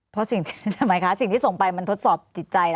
เพราะสิ่งที่ส่งไปมันทดสอบจิตใจ